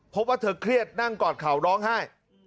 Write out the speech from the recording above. พบว่าเธอเครียดนั่งกอดเข่าร้องไห้